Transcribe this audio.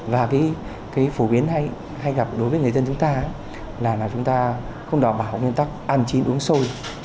và cái phổ biến hay gặp đối với người dân chúng ta là chúng ta không đảm bảo nguyên tắc ăn chín uống sôi